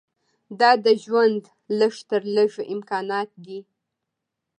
دا د ژوند لږ تر لږه امکانات دي.